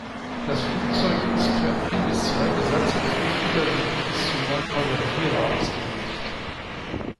Das Flugzeug ist für ein bis zwei Besatzungsmitglieder sowie bis zu neun Passagiere ausgelegt.